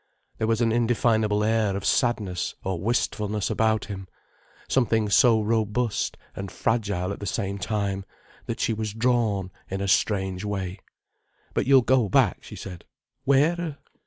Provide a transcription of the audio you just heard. There was an indefinable air of sadness or wistfulness about him, something so robust and fragile at the same time, that she was drawn in a strange way. "But you'll go back?" she said. "Where?"